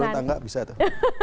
turun tangga bisa tuh